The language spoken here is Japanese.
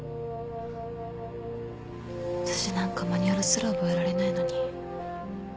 私なんかマニュアルすら覚えられないのに。